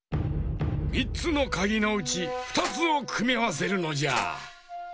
３つのかぎのうち２つをくみあわせるのじゃ。